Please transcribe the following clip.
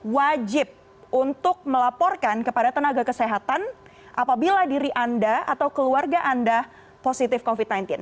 wajib untuk melaporkan kepada tenaga kesehatan apabila diri anda atau keluarga anda positif covid sembilan belas